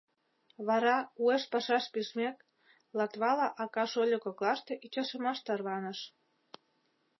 Вара, уэш пашаш пижмек, Латвала ака-шольо коклаште ӱчашымаш тарваныш.